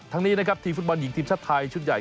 นี้นะครับทีมฟุตบอลหญิงทีมชาติไทยชุดใหญ่